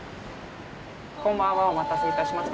こんばんはお待たせいたしました。